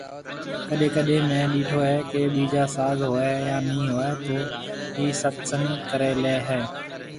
ڪڏي ڪڏي مينھ ڏيٺو ھيَََ ڪي ٻيجا ساز ھوئي يا ني ھوئي توئي ست سنگ ڪري لي ھيَََ